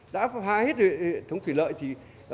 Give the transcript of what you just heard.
đã phá hết cả hệ thống thủy lợi thì